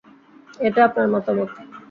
এটা আপনার মতামত।